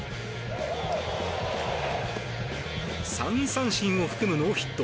３三振を含むノーヒット。